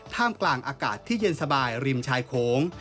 ท่ามกลางอากาศที่เย็นสบายริมชายโขง